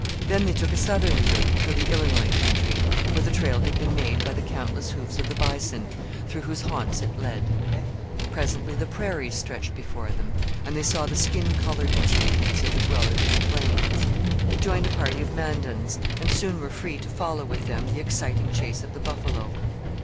Then they took a southerly route through the Illinois country, where the trail had been made by the countless hoofs of the bison, through whose haunts it led. Presently the prairies stretched before them, and they saw the skin covered 'teepees' of the dwellers of the plains. They joined a party of Mandans and soon were free to follow with them the exciting chase of the buffalo.